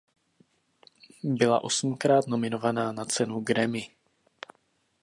Byla osmkrát nominovaná na cenu Grammy.